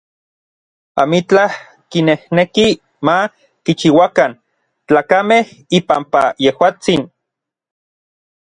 Amitlaj kinejneki ma kichiuakan tlakamej ipampa yejuatsin.